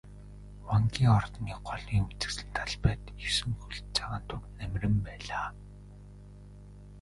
Вангийн ордны голын үзэсгэлэнт талбайд есөн хөлт цагаан туг намиран байлаа.